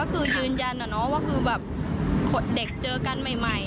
คือยืนยันว่าคดเด็กเจอกันใหม่